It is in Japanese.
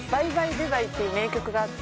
Ｄｕバィ』っていう名曲があって。